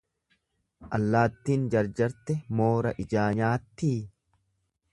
Allaattin jarjarte moora ijaa nyaattii.